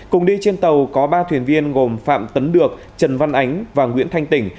cùng đi trên tàu có ba thuyền viên gồm phạm tấn được trần văn ánh và nguyễn thanh tỉnh